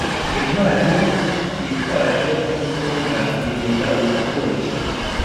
Intwali yitwaje imbundairinda ubutunzi